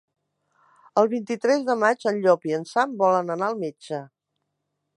El vint-i-tres de maig en Llop i en Sam volen anar al metge.